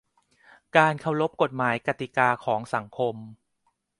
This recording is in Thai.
การเคารพกฎหมายกติกาของสังคม